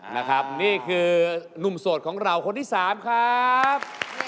นี่คือนุ่มโสดของเราคนที่๓ครับ